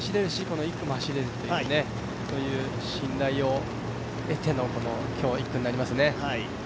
この１区も走れるという信頼を得ての今日の１区になりますね。